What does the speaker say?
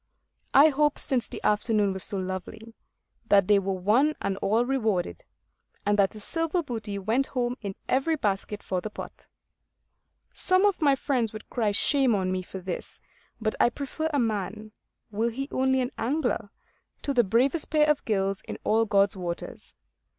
I hope, since the afternoon was so lovely, that they were one and all rewarded; and that a silver booty went home in every basket for the pot. Some of my friends would cry shame on me for this; but I prefer a man, were he only an angler, to the bravest pair of gills in all God's waters.